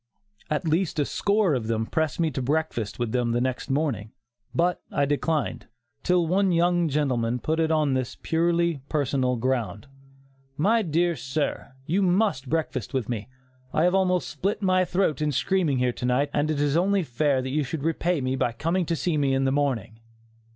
At least a score of them pressed me to breakfast with them next morning, but I declined, till one young gentleman put it on this purely personal ground: "My dear sir, you must breakfast with me; I have almost split my throat in screaming here to night and it is only fair that you should repay me by coming to see me in the morning."